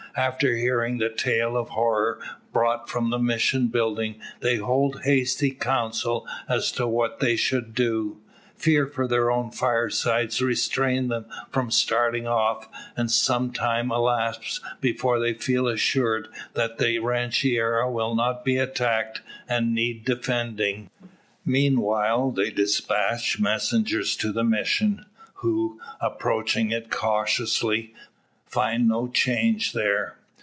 After hearing the tale of horror brought from the Mission building, they hold hasty council as to what they should do. Fear for their own firesides restrains them from starting off; and some time elapse before they feel assured that the rancheria will not be attacked, and need defending. Meanwhile, they despatch messengers to the Mission; who, approaching it cautiously, find no change there.